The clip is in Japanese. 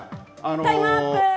タイムアップ！